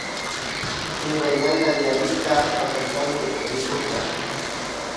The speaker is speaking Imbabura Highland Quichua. Pinkaymanta ñawita pakashpami rikurka